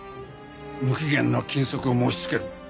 無期限の禁足を申しつける。